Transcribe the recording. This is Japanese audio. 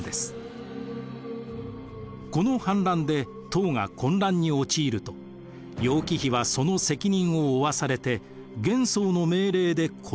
この反乱で唐が混乱に陥ると楊貴妃はその責任を負わされて玄宗の命令で殺されてしまいました。